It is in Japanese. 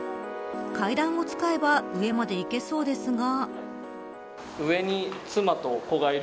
階段を使えば上まで行けそうですが。